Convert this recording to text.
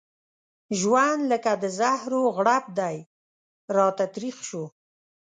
ژوند لکه د زهرو غړپ داسې راته تريخ شو.